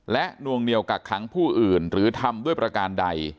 และนวงเหนียวกักขังผู้อื่นหรือทำด้วยประการใด